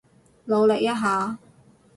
努力一下